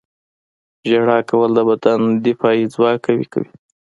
• ژړا کول د بدن دفاعي ځواک قوي کوي.